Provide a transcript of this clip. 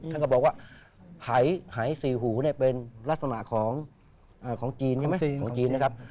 ท่านก็บอกว่าหายสี่หูเนี่ยเป็นลักษณะของจีนใช่ไหมของจีนนะครับ